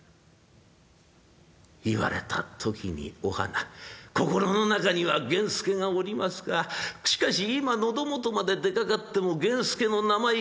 言われた時にお花心の中には源助がおりますがしかし今喉元まで出かかっても源助の名前を言うわけにはいきません。